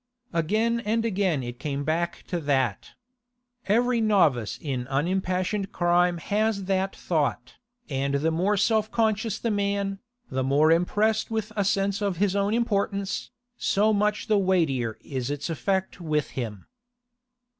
Again and again it came back to that. Every novice in unimpassioned crime has that thought, and the more self conscious the man, the more impressed with a sense of his own importance, so much the weightier is its effect with him.